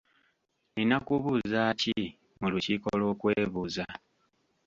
Nina kubuuza ki mu lukiiko lw'okwebuuza?